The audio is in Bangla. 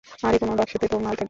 আরে কোনো বাক্সতে তো মাল থাকবে?